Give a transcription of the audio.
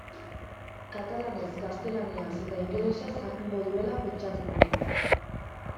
Katalanez, gaztelaniaz eta ingelesez jakingo duela pentsatzen dut.